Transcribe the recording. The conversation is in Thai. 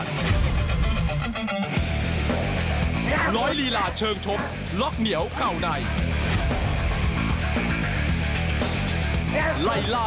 เสร็จแข้งชนถนัดลับถนัดลุก